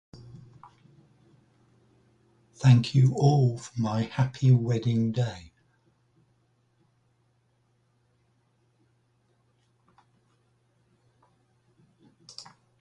Thank you all for my happy wedding-day.